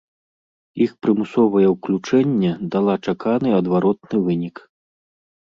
Іх прымусовае ўключэнне дала чаканы адваротны вынік.